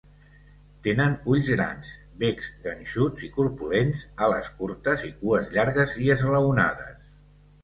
Tenen ulls grans, becs ganxuts i corpulents, ales curtes i cues llargues i esglaonades.